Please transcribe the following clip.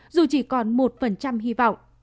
dù chỉ còn một phần trăm hy vọng